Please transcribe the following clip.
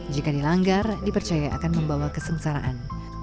jika dilanggar dipercaya akan membawa kesengsaraan